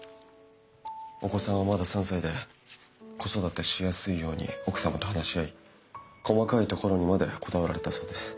お子さんはまだ３歳で子育てしやすいように奥様と話し合い細かいところにまでこだわられたそうです。